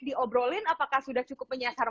diobrolin apakah sudah cukup menyasar